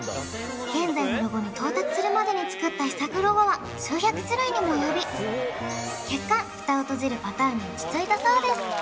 現在のロゴに到達するまでに作った試作ロゴは数百種類にもおよび結果蓋を閉じるパターンに落ち着いたそうです